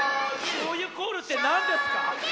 しょうゆコールってなんですか？